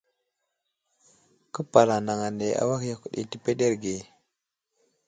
Képal anaŋ ane awak yakw ɗi təpəɗerge.